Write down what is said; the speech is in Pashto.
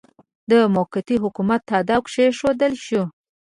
د موقتي حکومت تاداو کښېښودل شو.